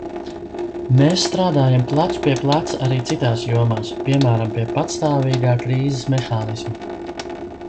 Mēs strādājam plecu pie pleca arī citās jomās, piemēram, pie pastāvīgā krīzes mehānisma.